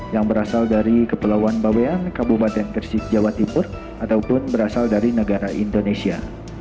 yang berasal dari kepulauan bawean kabupaten gresik jawa timur ataupun berasal dari negara indonesia